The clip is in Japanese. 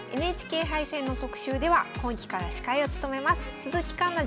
ＮＨＫ杯戦の特集では今期から司会を務めます鈴木環那